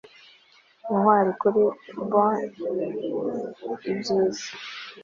intwari kuri bon i byiza